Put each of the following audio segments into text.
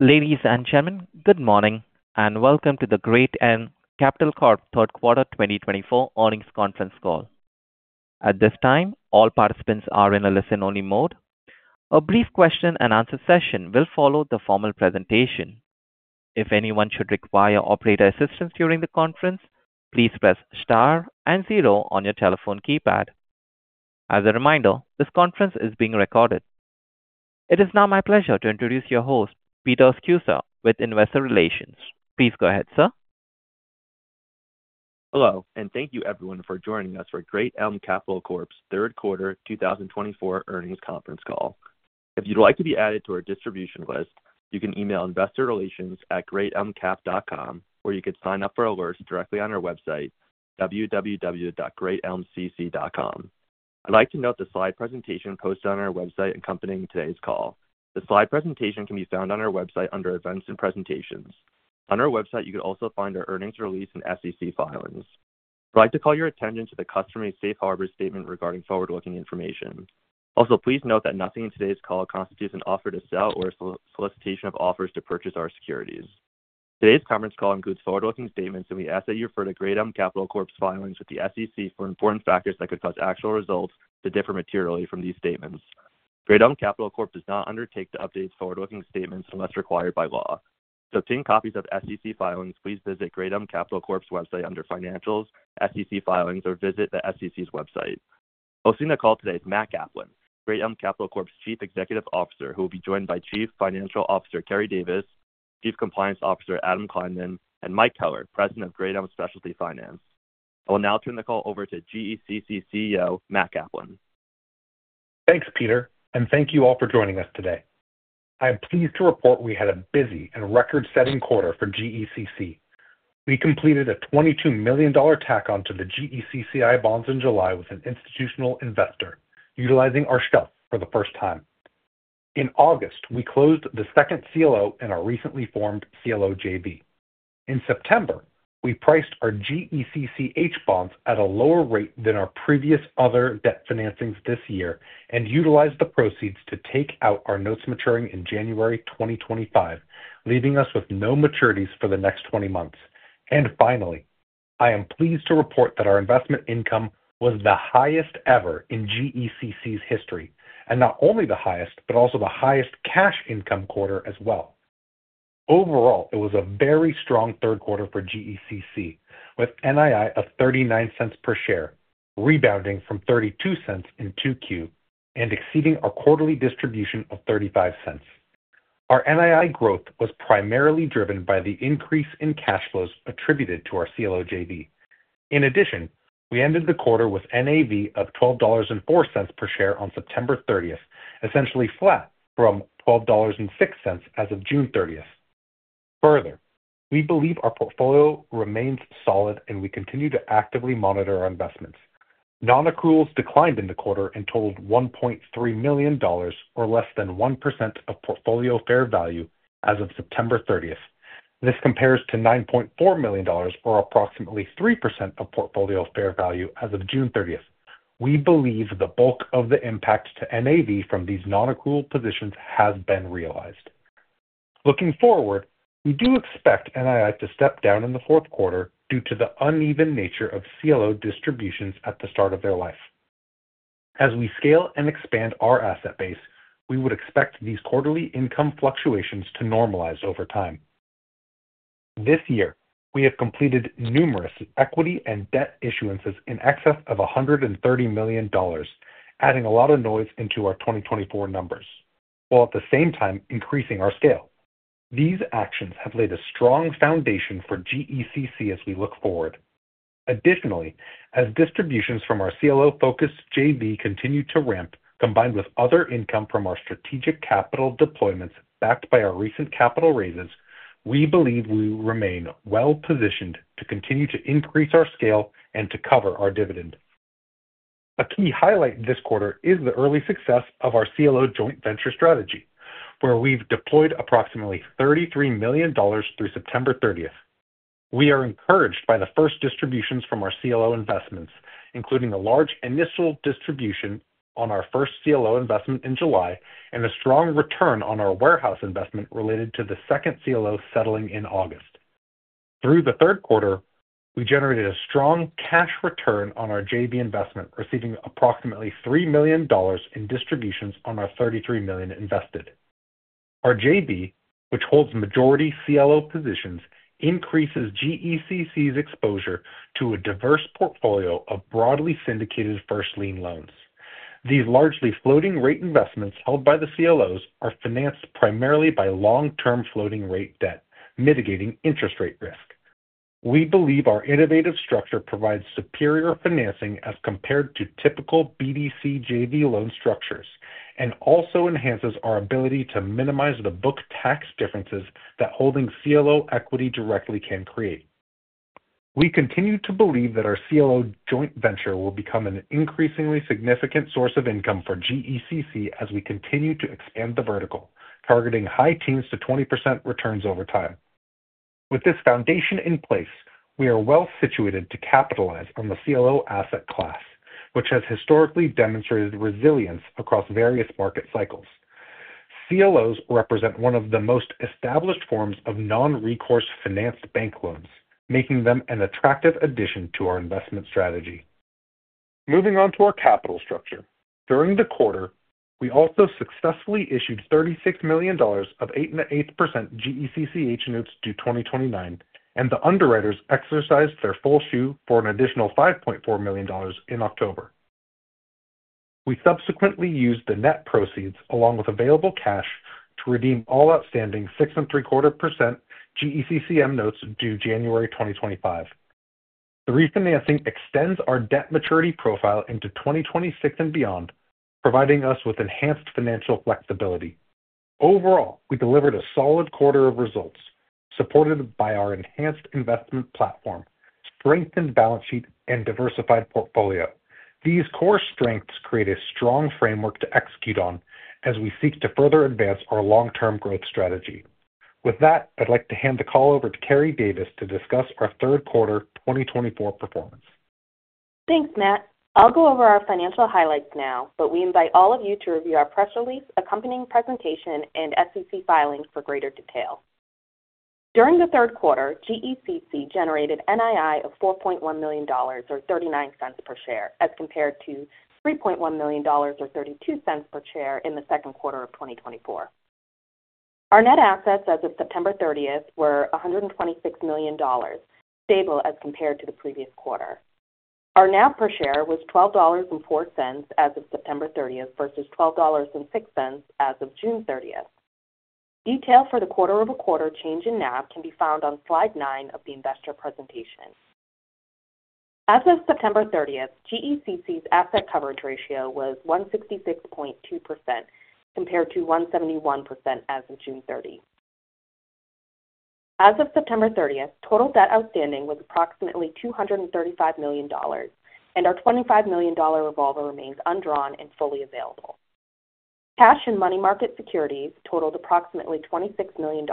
Ladies and gentlemen, good morning and welcome to the Great Elm Capital Corp third quarter 2024 earnings conference call. At this time, all participants are in a listen-only mode. A brief question-and-answer session will follow the formal presentation. If anyone should require operator assistance during the conference, please press star and zero on your telephone keypad. As a reminder, this conference is being recorded. It is now my pleasure to introduce your host, Peter Scusa, with Investor Relations. Please go ahead, sir. Hello, and thank you everyone for joining us for Great Elm Capital Corp's third quarter 2024 earnings conference call. If you'd like to be added to our distribution list, you can email investorrelations@greatelmcap.com, or you can sign up for alerts directly on our website, www.greatelmcc.com. I'd like to note the slide presentation posted on our website accompanying today's call. The slide presentation can be found on our website under Events and Presentations. On our website, you can also find our earnings release and SEC filings. I'd like to call your attention to the company's safe harbor statement regarding forward-looking information. Also, please note that nothing in today's call constitutes an offer to sell or a solicitation of offers to purchase our securities. Today's conference call includes forward-looking statements, and we ask that you refer to Great Elm Capital Corp's filings with the SEC for important factors that could cause actual results to differ materially from these statements. Great Elm Capital Corp does not undertake to update forward-looking statements unless required by law. To obtain copies of SEC filings, please visit Great Elm Capital Corp's website under Financials, SEC Filings, or visit the SEC's website. Hosting the call today is Matt Kaplan, Great Elm Capital Corp's Chief Executive Officer, who will be joined by Chief Financial Officer Keri Davis, Chief Compliance Officer Adam Kleinman, and Mike Keller, President of Great Elm Specialty Finance. I will now turn the call over to GECC CEO Matt Kaplan. Thanks, Peter, and thank you all for joining us today. I am pleased to report we had a busy and record-setting quarter for GECC. We completed a $22 million tack-on to the GECCI bonds in July with an institutional investor, utilizing our shelf for the first time. In August, we closed the second CLO in our recently formed CLO JV. In September, we priced our GECCH bonds at a lower rate than our previous other debt financings this year and utilized the proceeds to take out our notes maturing in January 2025, leaving us with no maturities for the next 20 months. And finally, I am pleased to report that our investment income was the highest ever in GECC's history, and not only the highest, but also the highest cash income quarter as well. Overall, it was a very strong third quarter for GECC, with NII of $0.39 per share, rebounding from $0.32 in Q2 and exceeding our quarterly distribution of $0.35. Our NII growth was primarily driven by the increase in cash flows attributed to our CLO JV. In addition, we ended the quarter with NAV of $12.04 per share on September 30, essentially flat from $12.06 as of June 30. Further, we believe our portfolio remains solid, and we continue to actively monitor our investments. Non-accruals declined in the quarter and totaled $1.3 million, or less than 1% of portfolio fair value as of September 30. This compares to $9.4 million, or approximately 3% of portfolio fair value as of June 30. We believe the bulk of the impact to NAV from these non-accrual positions has been realized. Looking forward, we do expect NII to step down in the fourth quarter due to the uneven nature of CLO distributions at the start of their life. As we scale and expand our asset base, we would expect these quarterly income fluctuations to normalize over time. This year, we have completed numerous equity and debt issuances in excess of $130 million, adding a lot of noise into our 2024 numbers, while at the same time increasing our scale. These actions have laid a strong foundation for GECC as we look forward. Additionally, as distributions from our CLO-focused JV continue to ramp, combined with other income from our strategic capital deployments backed by our recent capital raises, we believe we remain well-positioned to continue to increase our scale and to cover our dividend. A key highlight this quarter is the early success of our CLO joint venture strategy, where we've deployed approximately $33 million through September 30. We are encouraged by the first distributions from our CLO investments, including a large initial distribution on our first CLO investment in July and a strong return on our warehouse investment related to the second CLO settling in August. Through the third quarter, we generated a strong cash return on our JV investment, receiving approximately $3 million in distributions on our $33 million invested. Our JV, which holds majority CLO positions, increases GECC's exposure to a diverse portfolio of broadly syndicated first lien loans. These largely floating-rate investments held by the CLOs are financed primarily by long-term floating-rate debt, mitigating interest rate risk. We believe our innovative structure provides superior financing as compared to typical BDC JV loan structures and also enhances our ability to minimize the book tax differences that holding CLO equity directly can create. We continue to believe that our CLO joint venture will become an increasingly significant source of income for GECC as we continue to expand the vertical, targeting high teens-20% returns over time. With this foundation in place, we are well-situated to capitalize on the CLO asset class, which has historically demonstrated resilience across various market cycles. CLOs represent one of the most established forms of non-recourse financed bank loans, making them an attractive addition to our investment strategy. Moving on to our capital structure. During the quarter, we also successfully issued $36 million of 8.8% GECCH notes due 2029, and the underwriters exercised their full shoe for an additional $5.4 million in October. We subsequently used the net proceeds, along with available cash, to redeem all outstanding 6.75% GECCM notes due January 2025. The refinancing extends our debt maturity profile into 2026 and beyond, providing us with enhanced financial flexibility. Overall, we delivered a solid quarter of results, supported by our enhanced investment platform, strengthened balance sheet, and diversified portfolio. These core strengths create a strong framework to execute on as we seek to further advance our long-term growth strategy. With that, I'd like to hand the call over to Keri Davis to discuss our third quarter 2024 performance. Thanks, Matt. I'll go over our financial highlights now, but we invite all of you to review our press release, accompanying presentation, and SEC filings for greater detail. During the third quarter, GECC generated NII of $4.1 million, or $0.39 per share, as compared to $3.1 million, or $0.32 per share in the second quarter of 2024. Our net assets as of September 30 were $126 million, stable as compared to the previous quarter. Our NAV per share was $12.04 as of September 30 versus $12.06 as of June 30. Detail for the quarter-over-quarter change in NAV can be found on slide 9 of the investor presentation. As of September 30, GECC's asset coverage ratio was 166.2% compared to 171% as of June 30. As of September 30, total debt outstanding was approximately $235 million, and our $25 million revolver remains undrawn and fully available. Cash and money market securities totaled approximately $26 million.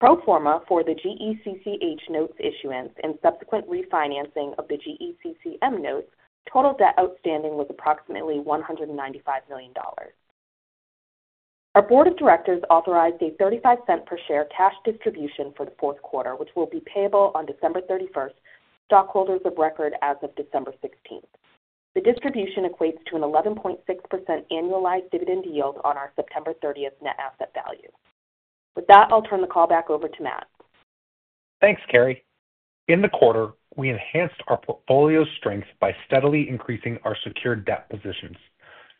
Pro forma for the GECCH notes issuance and subsequent refinancing of the GECCM notes, total debt outstanding was approximately $195 million. Our board of directors authorized a $0.35 per share cash distribution for the fourth quarter, which will be payable on December 31 to stockholders of record as of December 16. The distribution equates to an 11.6% annualized dividend yield on our September 30 net asset value. With that, I'll turn the call back over to Matt. Thanks, Keri. In the quarter, we enhanced our portfolio strength by steadily increasing our secured debt positions.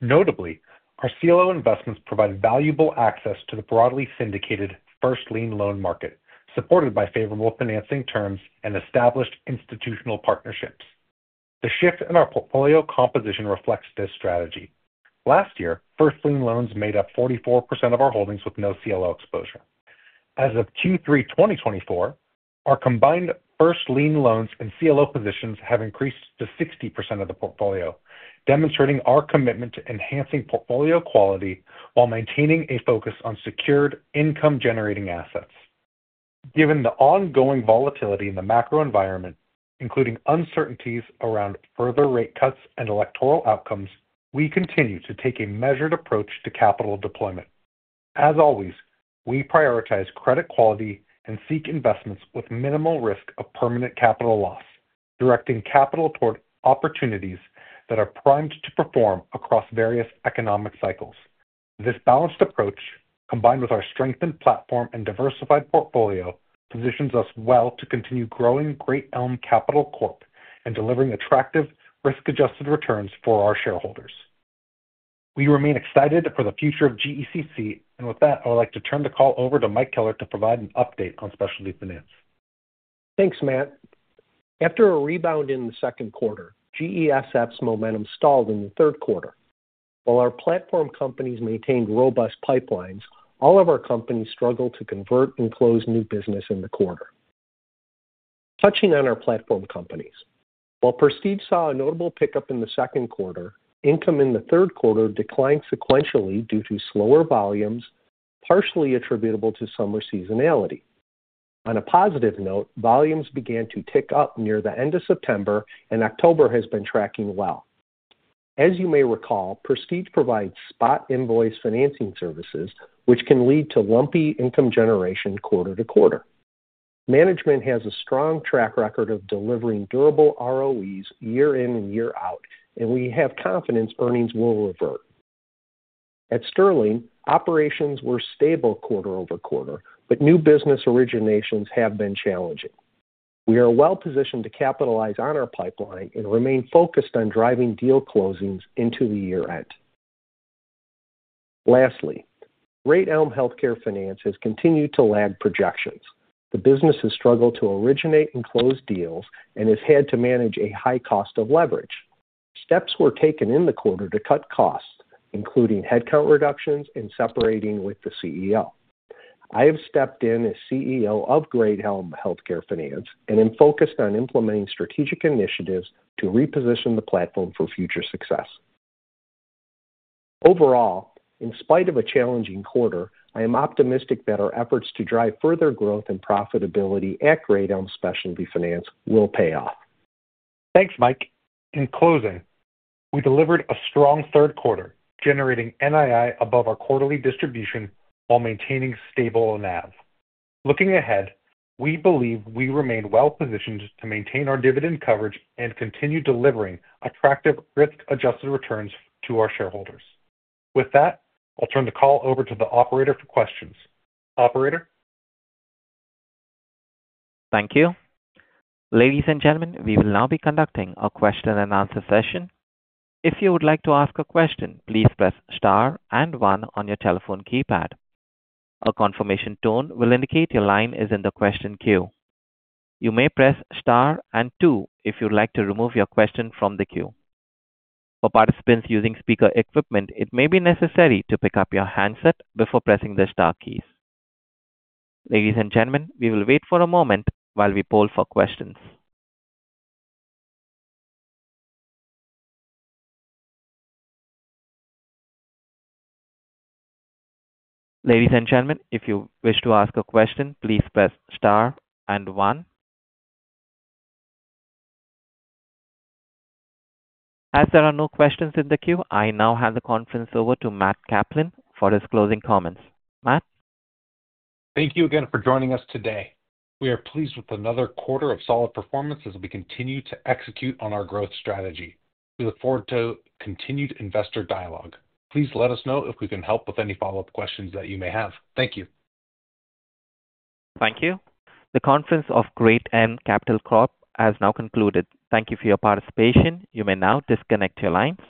Notably, our CLO investments provide valuable access to the broadly syndicated first lien loan market, supported by favorable financing terms and established institutional partnerships. The shift in our portfolio composition reflects this strategy. Last year, first lien loans made up 44% of our holdings with no CLO exposure. As of Q3 2024, our combined first lien loans and CLO positions have increased to 60% of the portfolio, demonstrating our commitment to enhancing portfolio quality while maintaining a focus on secured income-generating assets. Given the ongoing volatility in the macro environment, including uncertainties around further rate cuts and electoral outcomes, we continue to take a measured approach to capital deployment. As always, we prioritize credit quality and seek investments with minimal risk of permanent capital loss, directing capital toward opportunities that are primed to perform across various economic cycles. This balanced approach, combined with our strengthened platform and diversified portfolio, positions us well to continue growing Great Elm Capital Corp and delivering attractive risk-adjusted returns for our shareholders. We remain excited for the future of GECC, and with that, I would like to turn the call over to Mike Keller to provide an update on specialty finance. Thanks, Matt. After a rebound in the second quarter, GESF's momentum stalled in the third quarter. While our platform companies maintained robust pipelines, all of our companies struggled to convert and close new business in the quarter. Touching on our platform companies, while Prestige saw a notable pickup in the second quarter, income in the third quarter declined sequentially due to slower volumes, partially attributable to summer seasonality. On a positive note, volumes began to tick up near the end of September, and October has been tracking well. As you may recall, Prestige provides spot invoice financing services, which can lead to lumpy income generation quarter to quarter. Management has a strong track record of delivering durable ROEs year in and year out, and we have confidence earnings will revert. At Sterling, operations were stable quarter over quarter, but new business originations have been challenging. We are well-positioned to capitalize on our pipeline and remain focused on driving deal closings into the year-end. Lastly, Great Elm Healthcare Finance has continued to lag projections. The business has struggled to originate and close deals and has had to manage a high cost of leverage. Steps were taken in the quarter to cut costs, including headcount reductions and separating with the CEO. I have stepped in as CEO of Great Elm Healthcare Finance and am focused on implementing strategic initiatives to reposition the platform for future success. Overall, in spite of a challenging quarter, I am optimistic that our efforts to drive further growth and profitability at Great Elm Specialty Finance will pay off. Thanks, Mike. In closing, we delivered a strong third quarter, generating NII above our quarterly distribution while maintaining stable NAV. Looking ahead, we believe we remain well-positioned to maintain our dividend coverage and continue delivering attractive risk-adjusted returns to our shareholders. With that, I'll turn the call over to the operator for questions. Operator. Thank you. Ladies and gentlemen, we will now be conducting a question and answer session. If you would like to ask a question, please press star and one on your telephone keypad. A confirmation tone will indicate your line is in the question queue. You may press star and two if you'd like to remove your question from the queue. For participants using speaker equipment, it may be necessary to pick up your handset before pressing the star keys. Ladies and gentlemen, we will wait for a moment while we poll for questions. Ladies and gentlemen, if you wish to ask a question, please press star and one. As there are no questions in the queue, I now hand the conference over to Matt Kaplan for his closing comments. Matt. Thank you again for joining us today. We are pleased with another quarter of solid performance as we continue to execute on our growth strategy. We look forward to continued investor dialogue. Please let us know if we can help with any follow-up questions that you may have. Thank you. Thank you. The conference of Great Elm Capital Corp has now concluded. Thank you for your participation. You may now disconnect your lines.